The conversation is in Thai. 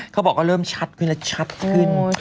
เขาบอกว่าเริ่มชัดขึ้นและชัดขึ้น